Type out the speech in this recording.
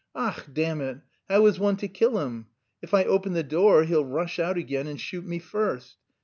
Ach, damn it! how is one to kill him? If I open the door he'll rush out again and shoot me first.